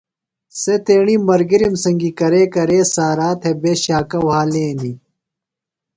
سےۡ تیݨی ملگِرِم سنگیۡ کرے کرے سارا تھےۡ بےۡ شاکہ وھالینیۡ۔